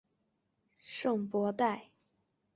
圣博代。